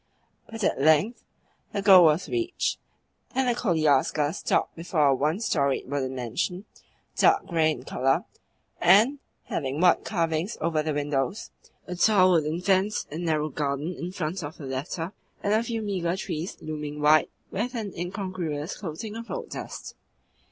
But at length the goal was reached, and the koliaska stopped before a one storied wooden mansion, dark grey in colour, and having white carvings over the windows, a tall wooden fence and narrow garden in front of the latter, and a few meagre trees looming white with an incongruous coating of road dust.